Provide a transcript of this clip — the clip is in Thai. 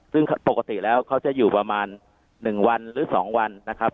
ซึ่งปกติแล้วเขาจะอยู่ประมาณ๑วันหรือ๒วันนะครับ